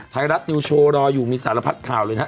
ไทยรัฐนิวโชว์รออยู่มีสารพัดข่าวเลยนะฮะ